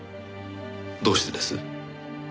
どうしてです？